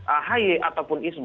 ah ahy ataupun isb